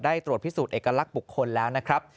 ตรวจพิสูจนเอกลักษณ์บุคคลแล้วนะครับ